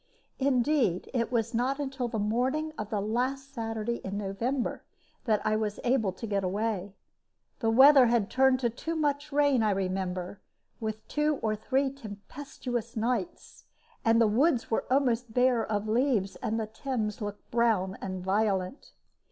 Indeed, it was not until the morning of the last Saturday in November that I was able to get away. The weather had turned to much rain, I remember, with two or three tempestuous nights, and the woods were almost bare of leaves, and the Thames looked brown and violent.